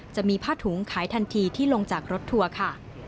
จะมีผ้าถุงขายทันทีที่ลงจากรถทัวร์ค่ะ